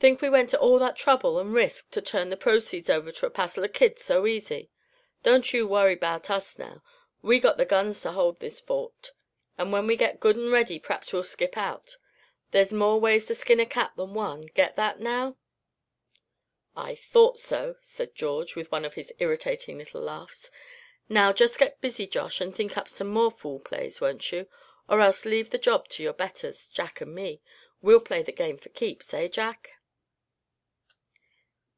Think we went to all that trouble and risk to turn the proceeds over to a passel o' kids so easy? Don't you worry 'bout us, now. We got the guns to hold the fort; and when we get good and ready p'raps we'll skip out. There's more ways to skin a cat than one. Get that, now?" "I thought so," said George, with one of his irritating little laughs. "Now just get busy, Josh, and think up some more fool plays, won't you? Or else leave the job to your betters, Jack'n me, we'll play the game for keeps, eh, Jack?"